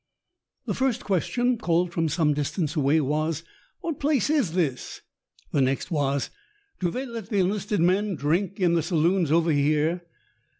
The first question, called from some distance away, was: "What place is this?" The next was, "Do they let the enlisted men drink in the saloons over here?"